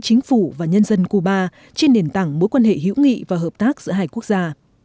chính phủ và nhân dân cuba trên nền tảng mối quan hệ hữu nghị và hợp tác giữa hai quốc gia